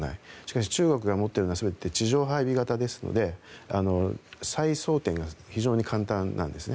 でも中国が持っているのは地上配備型なので再装填が非常に簡単なんですね。